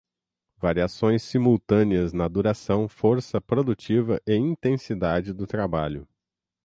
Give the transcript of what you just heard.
Variações simultâneas na duração, força produtiva e intensidade do trabalho